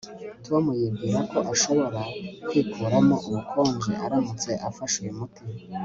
tom yibwira ko ashobora kwikuramo ubukonje aramutse afashe uyu muti